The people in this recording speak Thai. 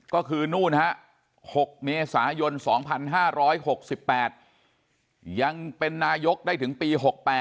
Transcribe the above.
ก็คือนู่นฮะ๖เมษายน๒๕๖๘ยังเป็นนายกได้ถึงปี๖๘